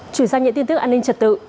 chuyển sang những tin tức an ninh trật tự